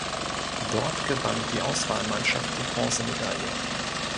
Dort gewann die Auswahlmannschaft die Bronzemedaille.